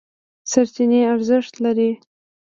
سرچینې ارزښت لري.